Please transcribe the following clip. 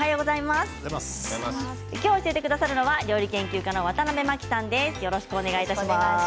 教えてくださるのは料理研究家のワタナベマキさんです。